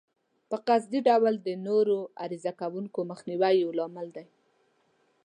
په قصدي ډول د نورو عرضه کوونکو مخنیوی یو لامل دی.